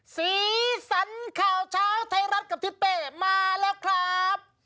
ซีสันเข่าเช้าไทยรัติกับทิเฟ่มาแล้วครับ